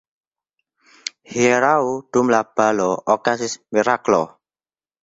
Hieraŭ dum la balo okazis miraklo.